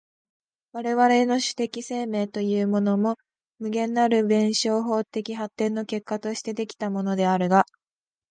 我々の種的生命というものも、無限なる弁証法的発展の結果として出来たものであるが、